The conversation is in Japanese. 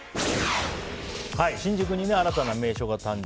新宿に新たな名所が誕生。